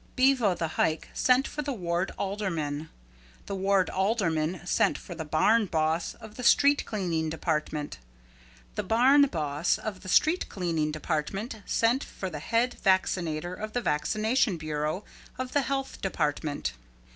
Bevo the Hike sent for the ward alderman. The ward alderman sent for the barn boss of the street cleaning department. The barn boss of the street cleaning department sent for the head vaccinator of the vaccination bureau of the health department.